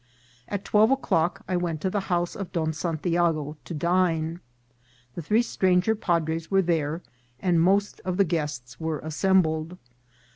At twelve o'clock I went to the house of Don Santiago to dine. The three stranger padres were there, and most of the guests were assembled.